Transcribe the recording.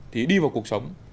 thì đi vào cuộc sống